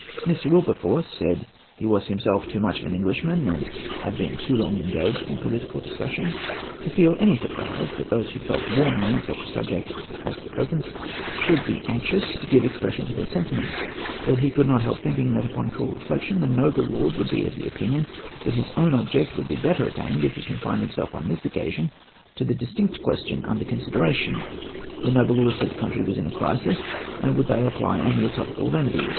Mr. Wilberforce said he was himself too much of an Englishman, and had been too long engaged in political discussions to feel any surprise that those who felt warmly on such a subject as the present should be anxious to give expression to their sentiments: but he could not help thinking that, upon cool reflection, the noble lord would be of opinion that his own object would be better attained if he confined himself, on this occasion, to the distinct question under consideration. The noble lord said the country was in a crisis, and would they apply a mere topical remedy?